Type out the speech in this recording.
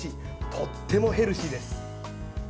とってもヘルシーです。